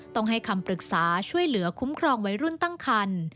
ต้องให้คำปรึกษาช่วยเหลือคุ้มครองวัยรุ่นตั้งคัน